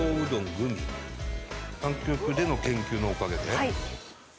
南極での研究のおかげで？